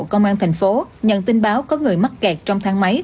công an thành phố nhận tin báo có người mắc kẹt trong thang máy